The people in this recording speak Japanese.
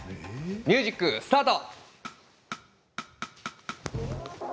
ミュージックスタート。